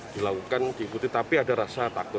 dilakukan diikuti tapi ada rasa takut